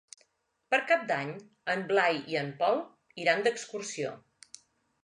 Per Cap d'Any en Blai i en Pol iran d'excursió.